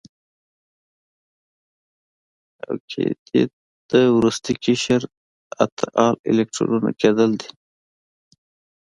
اوکتیت د وروستي قشر اته ال الکترونه کیدل دي.